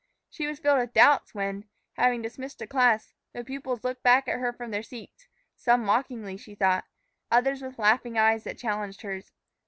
She was filled with doubts when, having dismissed a class, the pupils looked back at her from their seats, some mockingly, she thought, others with laughing eyes that challenged hers.